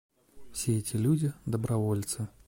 Все эти люди — добровольцы.